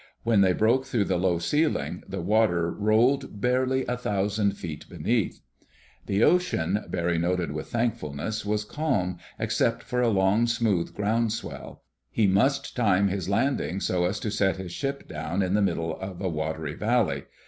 When they broke through the low ceiling the water rolled barely a thousand feet beneath. The ocean, Barry noted with thankfulness, was calm, except for a long, smooth ground swell. He must time his landing so as to set his ship down in the middle of a watery valley.